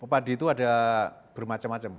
padi itu ada bermacam macam